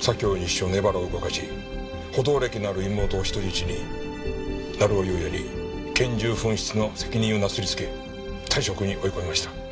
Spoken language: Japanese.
左京西署の江原を動かし補導歴のある妹を人質に成尾優也に拳銃紛失の責任をなすりつけ退職に追い込みました。